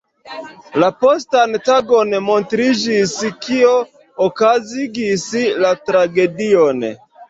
La postan tagon montriĝis, kio okazigis la tragedion.